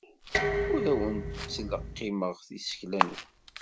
Ur awen-ttleqqimeɣ isekla-nwen.